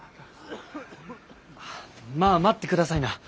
まあ待ってくださいな。